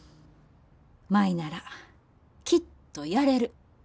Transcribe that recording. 舞ならきっとやれる。